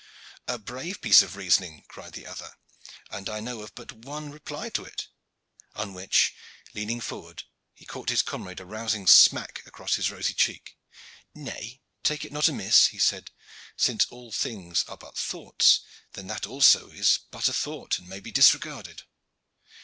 "A brave piece of reasoning," cried the other, "and I know of but one reply to it." On which, leaning forward, he caught his comrade a rousing smack across his rosy cheek. "Nay, take it not amiss," he said, "since all things are but thoughts, then that also is but a thought and may be disregarded."